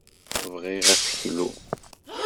Bbiɣ aseklu.